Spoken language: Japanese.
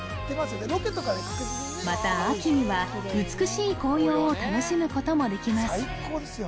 また秋には美しい紅葉を楽しむこともできます